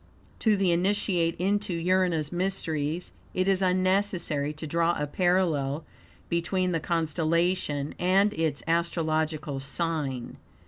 To the Initiate into Urania's mysteries it is unnecessary to draw a parallel between the constellation and its astrological sign.